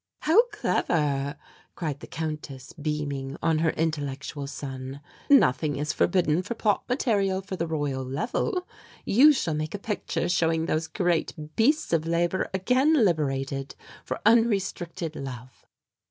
"How clever!" cried the Countess, beaming on her intellectual son. "Nothing is forbidden for plot material for the Royal Level. You shall make a picture showing those great beasts of labour again liberated for unrestricted love."